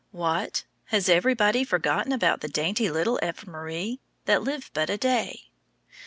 What? Has everybody forgotten about the dainty little ephemeræ, that live but a day?